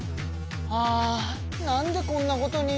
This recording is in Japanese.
あなんでこんなことに。